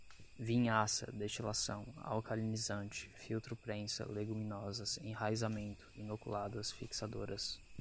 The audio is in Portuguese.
vinhaça, destilação, alcalinizante, filtro prensa, leguminosas, enraizamento, inoculadas, fixadoras